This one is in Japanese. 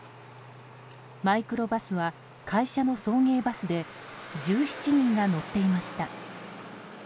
マイクロバスは会社の送迎バスで１７人が乗っていました。